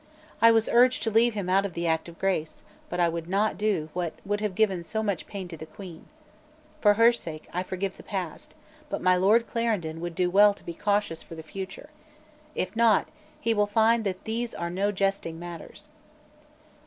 I was urged to leave him out of the Act of Grace; but I would not do what would have given so much pain to the Queen. For her sake I forgive the past; but my Lord Clarendon will do well to be cautious for the future. If not, he will find that these are no jesting matters."